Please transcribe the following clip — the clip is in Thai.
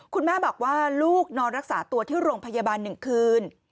คุณแม่บอกว่าลูกนอนรักษาตัวที่โรงพยาบาล๑คืน